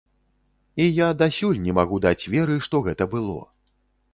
І я дасюль не магу даць веры, што гэта было.